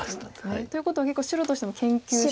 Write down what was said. ということは結構白としても研究している。